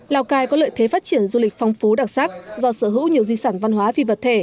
lào cai có lợi thế phát triển du lịch phong phú đặc sắc do sở hữu nhiều di sản văn hóa phi vật thể